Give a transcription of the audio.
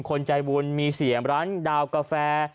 คนใจบุญมีเสียร้านดาวกาแฟ